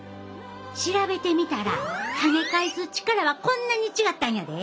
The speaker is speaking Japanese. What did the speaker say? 調べてみたら跳ね返す力はこんなに違ったんやで。